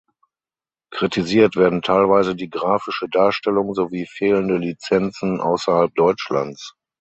Kritisiert werden teilweise die grafische Darstellung sowie fehlende Lizenzen außerhalb Deutschlands.